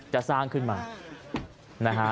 จะสร้างขึ้นมานะฮะ